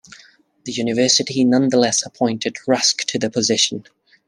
The university nonetheless appointed Rusk to the position.